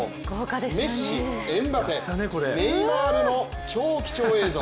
メッシ、エムバペ、ネイマールの超貴重映像。